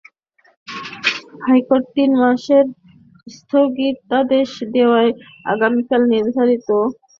High court তিন মাসের স্থগিতাদেশ দেওয়ায় আগামীকাল নির্ধারিত দাবা ফেডারেশনের নির্বাচন হচ্ছে না।